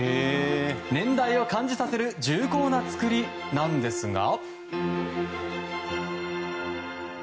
年代を感じさせる重厚な作りなんですが。